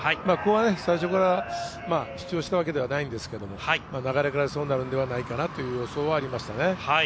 最初から主張したわけではないですが、流れからそうなるのではないかという予想がありました。